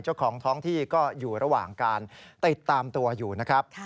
เจ้าของท้องที่ก็อยู่ระหว่างการติดตามตัวอยู่นะครับ